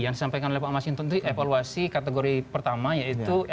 yang disampaikan oleh pak mas hinton itu evaluasi kategori pertama yaitu